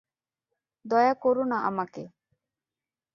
দয়া করো না আমাকে।